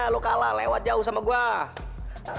lo kalah lewat jauh sama gue